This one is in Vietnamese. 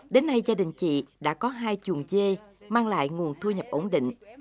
đến nay gia đình chị đã có hai chuồng chê mang lại nguồn thu nhập ổn định